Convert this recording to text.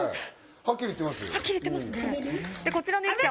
はっきり言ってますよ。